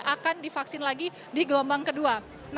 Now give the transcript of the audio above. akan divaksin lagi di gelombang kedua